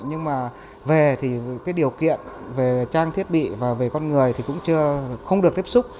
nhưng mà về thì cái điều kiện về trang thiết bị và về con người thì cũng chưa không được tiếp xúc